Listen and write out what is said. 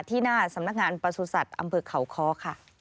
ที่หน้าสำนักงานประสูจน์สัตว์อำเผิกเขาคค่ะ